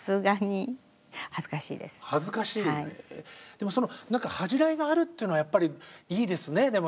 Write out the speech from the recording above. でも何か恥じらいがあるっていうのはやっぱりいいですね。